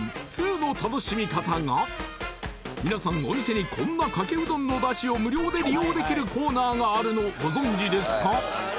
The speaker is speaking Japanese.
お店にこんなかけうどんのだしを無料で利用できるコーナーがあるのご存じですか？